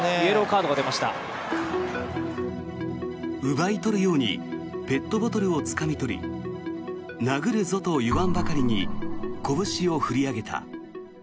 奪い取るようにペットボトルをつかみ取り殴るぞと言わんばかりにこぶしを振り上げた。